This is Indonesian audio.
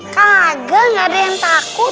kagak ada yang takut